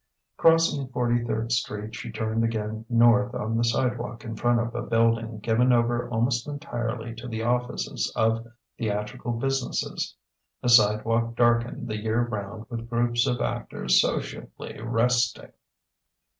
Crossing at Forty third Street, she turned again north on the sidewalk in front of a building given over almost entirely to the offices of theatrical businesses: a sidewalk darkened the year round with groups of actors sociably "resting."